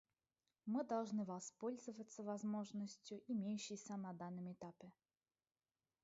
Мы должны воспользоваться возможностью, имеющейся на данном этапе.